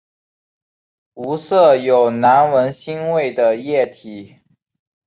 无色有难闻腥味的液体。